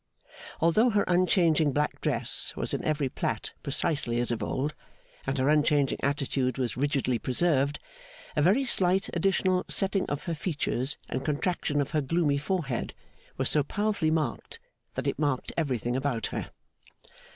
Although her unchanging black dress was in every plait precisely as of old, and her unchanging attitude was rigidly preserved, a very slight additional setting of her features and contraction of her gloomy forehead was so powerfully marked, that it marked everything about her.